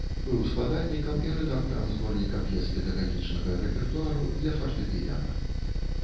Быў складальнікам і рэдактарам зборніка п'ес педагагічнага рэпертуару для фартэпіяна.